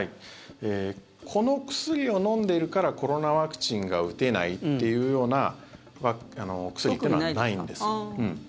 この薬を飲んでいるからコロナワクチンが打てないというようなお薬というのはないんです。